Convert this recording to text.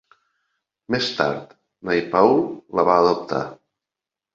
Més tard, Naipaul la va adoptar.